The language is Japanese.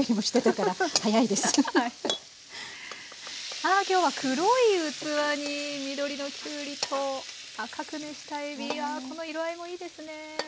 あ今日は黒い器に緑のきゅうりと赤く熱したえびがこの色合いもいいですね。